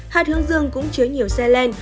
hạt hướng dương cũng chứa nhiều selen